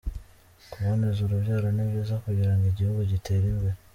kuboneza urubyaro nibyiza kugirango igihugu gitere imbere